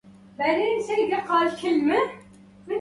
لقد قفز من السيارة.